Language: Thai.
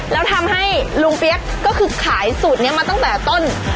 แล้วทำให้ลุงเปี๊ยกก็คือขายสูตรนี้มาตั้งแต่ต้น